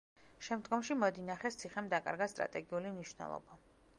შემდგომში მოდინახეს ციხემ დაკარგა სტრატეგიული მნიშვნელობა.